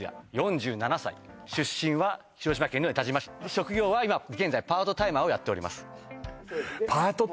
職業は現在パートタイマーをやっております